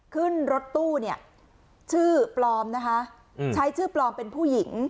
ขึ้นรถตู้เนี่ยชื่อปลอมนะคะใช้ชื่อปลอมเป็นผู้หญิง